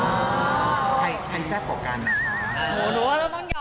ใครใกล้แซ่บก่อกัน